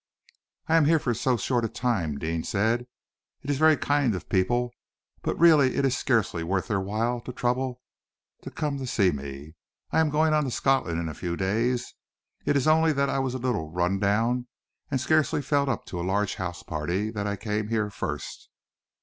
"I am here for so short a time," Deane said. "It is very kind of people, but really it is scarcely worth their while to trouble to come to see me. I am going on to Scotland in a few days. It is only that I was a little run down, and scarcely felt up to a large house party, that I came here first."